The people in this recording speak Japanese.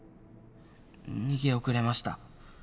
逃げ遅れました。